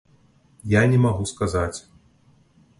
Я не магу сказаць.